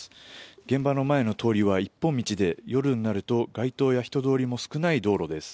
現場の前の通りは一本道で夜になると街灯や人通りも少ない道路です。